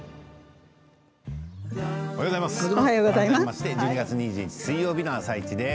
おはようございます。